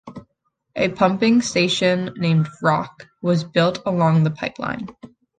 A pumping station named "Rock" was built along the pipeline.